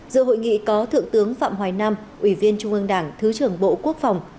giữa hội nghị có thượng tướng phạm hoài nam ủy viên trung ương đảng thứ trưởng bộ quốc phòng